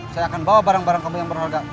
saya akan bawa barang barang kami yang berharga